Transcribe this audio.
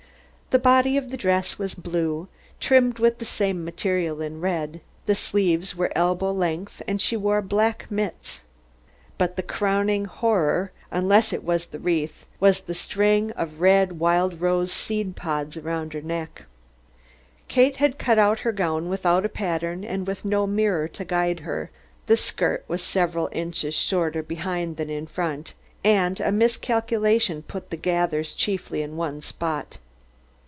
The body of the dress was blue, trimmed with the same material in red. The sleeves were elbow length, and she wore black mitts. But the crowning horror, unless it was the wreath, was the string of red wild rose seed pods around her neck. Kate had cut out her gown without a pattern and with no mirror to guide her, the skirt was several inches shorter behind than in front, and a miscalculation put the gathers chiefly in one spot.